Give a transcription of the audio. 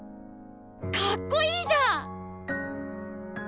かっこいいじゃん！